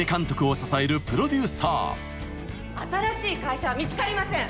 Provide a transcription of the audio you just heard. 新しい会社は見つかりません